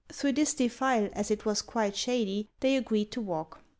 Thro' this defile, as it was quite shady, they agreed to walk.